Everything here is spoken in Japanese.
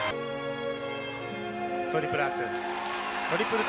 トリプルアクセル。